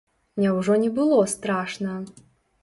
Няўжо не было страшна?